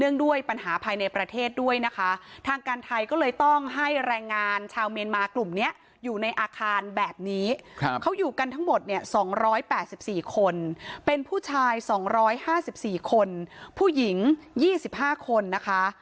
เป็นผู้ชายสองร้อยห้าสิบสี่คนผู้หญิงยี่สิบห้าคนนะคะ